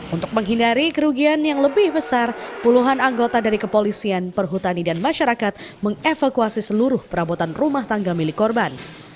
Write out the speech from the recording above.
untuk menghindari kerugian yang lebih besar puluhan anggota dari kepolisian perhutani dan masyarakat mengevakuasi seluruh perabotan rumah tangga milik korban